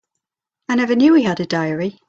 I never knew he had a diary.